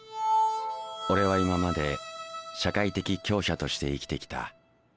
俺は今まで社会的強者として生きてきた。